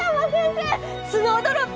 スノードロップ！